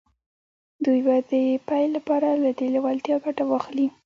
دوی باید د پیل لپاره له دې لېوالتیا ګټه واخلي